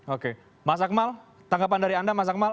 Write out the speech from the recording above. oke mas akmal tanggapan dari anda mas akmal